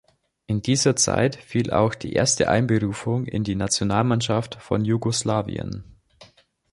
In dieser Zeit fiel auch die erste Einberufung in die Nationalmannschaft von Jugoslawien.